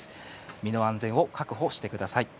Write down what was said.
身の安全を確保してください。